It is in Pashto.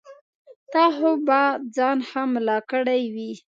تا خو به ځان ښه ملا کړی وي.